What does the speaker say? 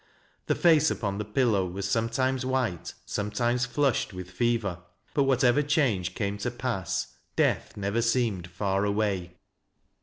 'The face upon the pillow was sometimes white, sometimes flushed with fever ; but whatever change camo to pass, Death never seemed far away.